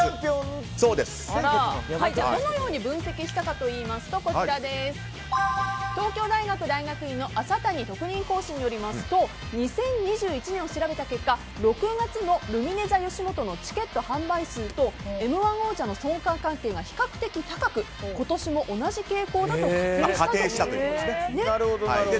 どのように分析したのかというと東京大学大学院の浅谷特任講師によりますと２０２１年を調べた結果６月のルミネｔｈｅよしもとのチケット販売数と「Ｍ‐１」王者の相関関係が比較的高く今年も同じ傾向だと仮定したということです。